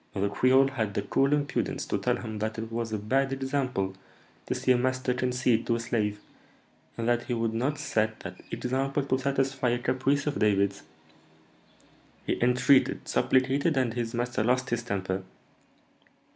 The creole had the cool impudence to tell him that it was a bad 'example' to see a master concede to a slave, and that he would not set that 'example' to satisfy a caprice of David's! He entreated, supplicated, and his master lost his temper.